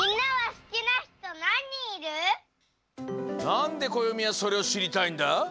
なんでこよみはそれをしりたいんだ？